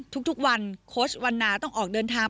ทุกวันโค้ชวันนาต้องออกเดินทาง